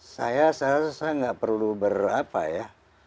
saya rasa gak perlu berapa ya